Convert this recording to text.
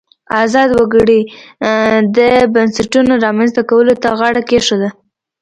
ازاد وګړي د بنسټونو رامنځته کولو ته غاړه کېښوده.